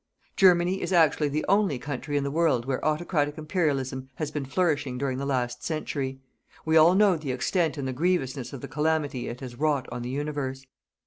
Germany is actually the only country in the world where Autocratic Imperialism has been flourishing during the last century. We all know the extent and the grievousness of the calamity it has wrought on the universe.